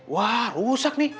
wah rusak nih